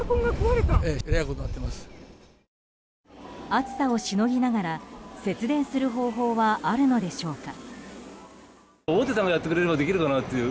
暑さをしのぎながら節電する方法はあるのでしょうか。